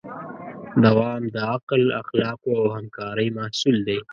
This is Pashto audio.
دوام د عقل، اخلاقو او همکارۍ محصول دی.